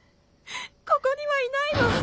ここにはいないわ。